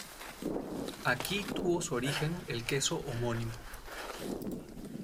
Aquí tuvo su origen el queso homónimo.